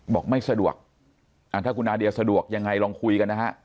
บอกไม่สะดวกถ้าคุณนาเดียสะดวกยังไงลองคุยกันนะฮะ